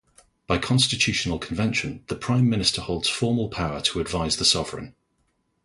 By constitutional convention, the Prime Minister holds formal power to advise the sovereign.